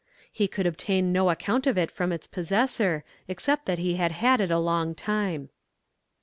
He could obtain no account of it from its possessor, except that he had had it a long time.